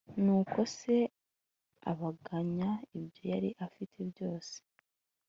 nuko se abagabanya ibyo yari afite byose